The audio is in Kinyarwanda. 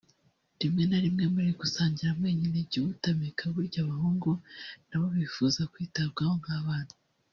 Rimwe na rimwe muri gusangira mwenyine jya umutamika burya abahungu nabo bifuza kwitabwaho nk’abana